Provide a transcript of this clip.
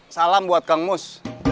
salam buat kang mus